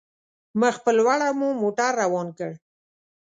مخ په لوړه مو موټر روان کړ.